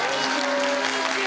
こんにちは！